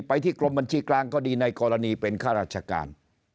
ไปที่กรมบัญชีกลางก็ดีในกรณีเป็นข้าราชการ